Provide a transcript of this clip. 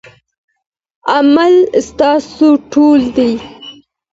عمل ستاسو تول دی.